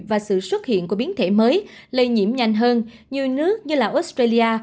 và sự xuất hiện của biến thể mới lây nhiễm nhanh hơn nhiều nước như australia